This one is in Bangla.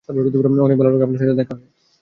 অনেক ভাল লাগল আপনার সাথে দেখা হয়ে।